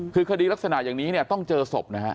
คือคดีลักษณะอย่างนี้เนี่ยต้องเจอศพนะฮะ